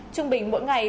trung bình mỗi ngày